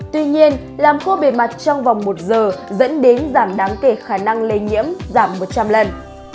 tuy nhiên làm khô bề mặt trong vòng một giờ dẫn đến giảm đáng kể khả năng lây nhiễm giảm một trăm linh lần